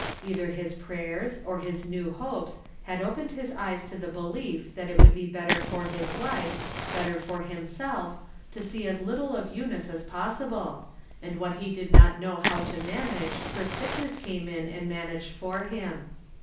Either his prayers, or his new hopes, had opened his eyes to the belief that it would be better for his wife, better for himself, to see as little of Eu nice as possible, and what he did not know how to manage her sickness came in and managed for him.